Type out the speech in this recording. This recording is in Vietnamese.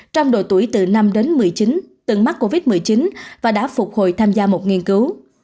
trong độ tuổi từ năm đến một mươi chín từng mắc covid một mươi chín và đã phục hồi tham gia một nghiên cứu